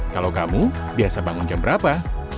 kalau kamu biasa bangun jam berapa